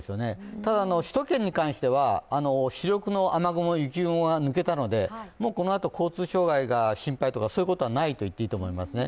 ただ、首都圏に関しては、主力の雨雲、雪雲が抜けたのでこのあと交通障害が心配とかそういうことはないと言ってもいいですね。